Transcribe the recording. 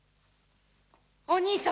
お兄様が。